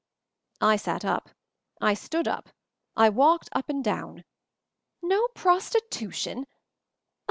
I sat up. I stood up. I walked up and down. "No prostitution!